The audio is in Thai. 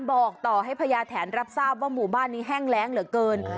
บอกต่อให้พญาแถนรับทราบว่าหมู่บ้านนี้แห้งแรงเหลือเกิน